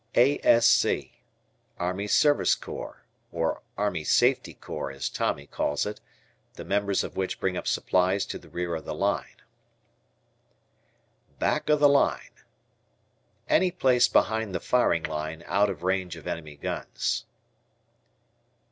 A.S.C. Army Service Corps, or Army Safety Corps as Tommy calls it. The members of which bring up supplies to the rear of the line. B "Back 'o the line." Any place behind the firing line out of range of enemy guns.